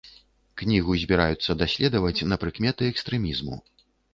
Кнігу збіраюцца даследаваць на прыкметы экстрэмізму.